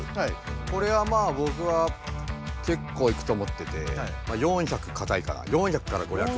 これはまあぼくはけっこういくと思ってて４００かたいから４００から５００。